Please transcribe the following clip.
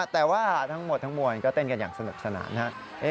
แต่ว่าทั้งหมดทั้งมวลก็เต้นกันอย่างสนุกสนานนะครับ